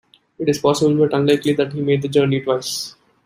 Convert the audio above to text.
It is possible, but unlikely, that he made the journey twice.